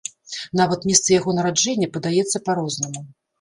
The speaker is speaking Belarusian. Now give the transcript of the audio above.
Нават месца яго нараджэння падаецца па-рознаму.